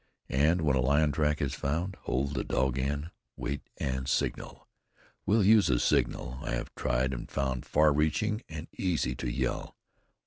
And when a lion track is found, hold the dog in, wait and signal. We'll use a signal I have tried and found far reaching and easy to yell.